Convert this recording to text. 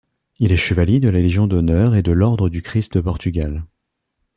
Il est chevalier de la Légion d'honneur et de l'ordre du Christ de Portugal.